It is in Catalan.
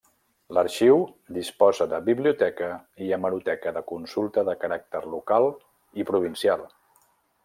L'Arxiu disposa de biblioteca i hemeroteca de consulta de caràcter local i provincial.